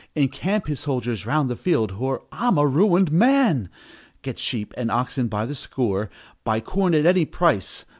Encamp his soldiers round the field, Or I'm a ruined man! "Get sheep and oxen by the score! Buy corn at any price!